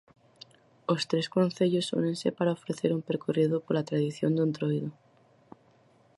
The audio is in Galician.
Os tres concellos únense para ofrecer un percorrido pola tradición do entroido.